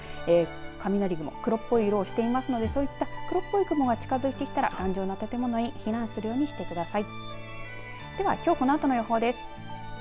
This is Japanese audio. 雷雲、黒っぽい色をしていますのでそういった黒っぽい雲が近づいてきたら、頑丈な建物に避難するようにしてください。